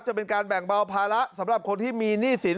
จะเป็นการแบ่งเบาภาระสำหรับคนที่มีหนี้สิน